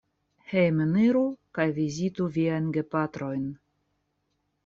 Hejmeniru kaj vizitu viajn gepatrojn.